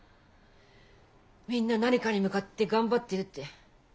みんな何かに向かって頑張ってるって。